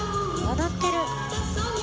踊ってる！